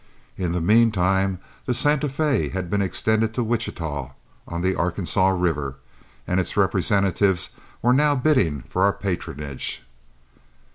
In the mean time the Santa Fé had been extended to Wichita on the Arkansas River, and its representatives were now bidding for our patronage.